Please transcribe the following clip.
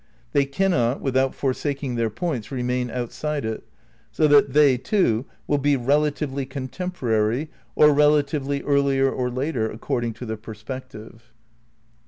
They cannot, without forsaking their points, remain outside it, so that they, too, will be relatively contemporary, or relatively earlier or later, according to the perspective.